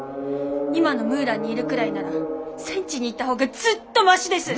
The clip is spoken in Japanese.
今のムーランにいるくらいなら戦地に行った方がずっとましです！